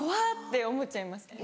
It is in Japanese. て思っちゃいますね。